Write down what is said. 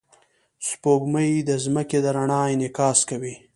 سپوږمۍ د ځمکې د رڼا انعکاس کوي